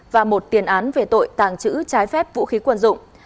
và một tiền án về tội tàng trữ trái phép vũ khí quân dụng